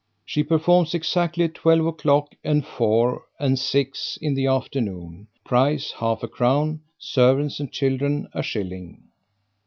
She performs exactly at twelve o'clock, and four, and six in the afternoon. Price half a crown, servants and children a shilling.